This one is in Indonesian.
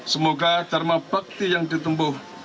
semoga dharma bakti yang ditempuh